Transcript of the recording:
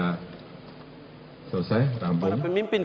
para pemimpin kita itu mengatasnamakan perubahan mengatasnamakan ketertinggalan